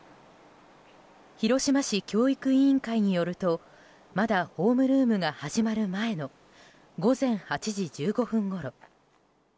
広島市教育委員会によるとまだホームルームが始まる前の午前８時１５分ごろ。